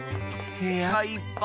へやがいっぱい！